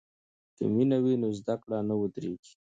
که مینه وي نو زده کړه نه ودریږي.